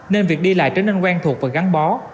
nên việc đi lại trở nên quen thuộc và gắn bó